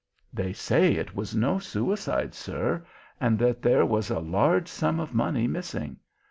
"They say it was no suicide, sir, and that there was a large sum of money missing.